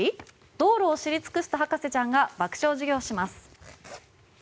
道路を知り尽くした博士ちゃんが爆笑授業します。